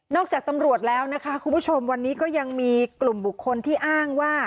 จากตำรวจแล้วนะคะคุณผู้ชมวันนี้ก็ยังมีกลุ่มบุคคลที่อ้างว่า